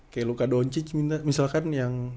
kayak luka donci misalkan yang